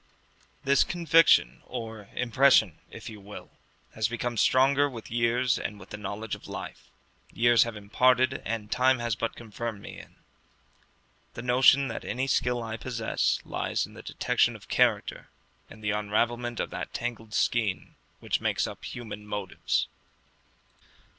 This conviction, or impression if you will, has become stronger with years and with the knowledge of life; years have imparted, and time has but confirmed me in, the notion that any skill I possess lies in the detection of character, and the unravelment of that tangled skein which makes up human motives.